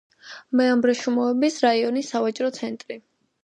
მეაბრეშუმეობის რაიონის სავაჭრო ცენტრი.